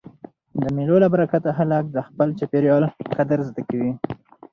د مېلو له برکته خلک د خپل چاپېریال قدر زده کوي.